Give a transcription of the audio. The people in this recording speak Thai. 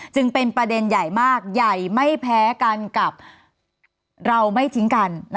จึงเป็นประเด็นใหญ่มากใหญ่ไม่แพ้กันกับเราไม่ทิ้งกัน